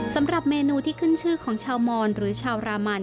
สำหรับเมนูที่ขึ้นชื่อของชาวมอนหรือชาวรามัน